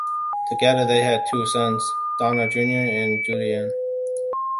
Together they had two sons - Dana Junior and Julian.